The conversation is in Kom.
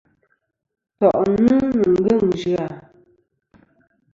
To’ni ni ngeng zya.